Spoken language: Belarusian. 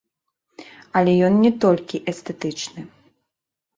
Але ён не толькі эстэтычны.